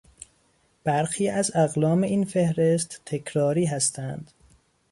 برخی از اقلام این فهرست تکراری هستند.